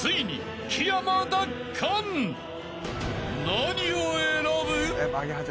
［何を選ぶ？］